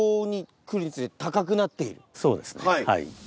そうですねはい。